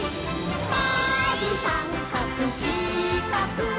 「まるさんかくしかく」